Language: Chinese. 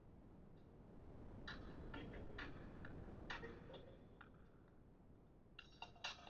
其发生多源自周围神经系统。